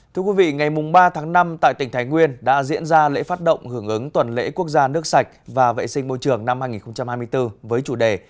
thưa quý vị ngày ba tháng năm tại tỉnh thái nguyên đã diễn ra lễ phát động hưởng ứng tuần lễ quốc gia nước sạch và vệ sinh môi trường năm hai nghìn hai mươi bốn với chủ đề